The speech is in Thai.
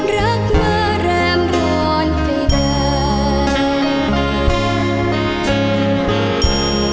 รักมะแรมร้อนไปได้